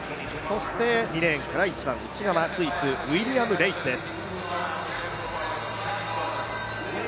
２レーンから一番内側、スイス、ウィリアム・レイスです。